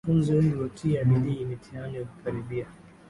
Wanafunzi wengi hutia bidii mtihani ukikaribia